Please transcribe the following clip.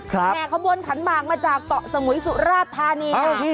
แห่ขบวนขันหมากมาจากเกาะสมุยสุราชธานี